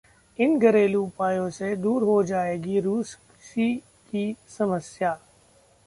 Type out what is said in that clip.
इन घरेलू उपायों से दूर हो जाएगी रूसी की समस्या